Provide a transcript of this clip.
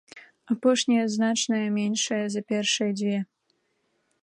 Апошняя значная меншая за першыя дзве.